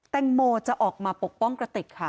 แตงโมจะออกมาปกป้องกระติกค่ะ